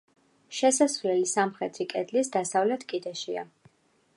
შესასვლელი სამხრეთი კედლის დასავლეთ კიდეშია.